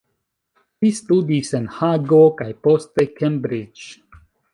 Li studis en Hago kaj poste Cambridge.